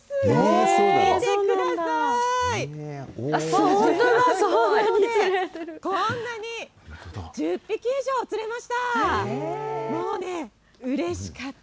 本当だ、こんなに、１０匹以上釣れました。